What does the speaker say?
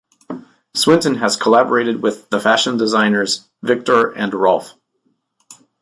Swinton has collaborated with the fashion designers Viktor and Rolf.